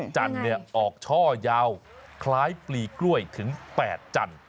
จันทร์ออกช่อยาวคล้ายปลีกล้วยถึง๘จันทร์